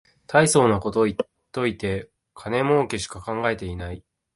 たいそうなこと言っといて金もうけしか考えてない